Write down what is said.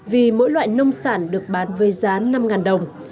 vì mỗi loại nông sản được bán với giá năm đồng